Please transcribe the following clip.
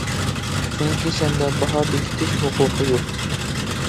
چۈنكى سەندە باھا بېكىتىش ھوقۇقى يوق.